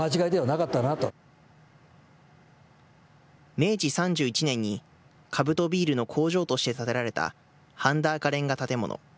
明治３１年にカブトビールの工場として建てられた、半田赤レンガ建物。